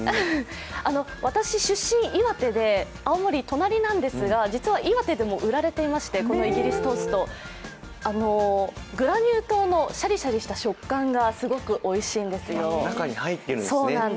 私、出身は岩手で、青森は隣なんですが、岩手でもこのイギリストースト、売られていまして、グラニュー糖のシャリシャリした食感がすごくおいしいんですよ。